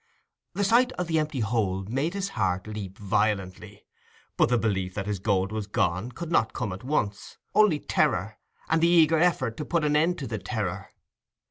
The sight of the empty hole made his heart leap violently, but the belief that his gold was gone could not come at once—only terror, and the eager effort to put an end to the terror.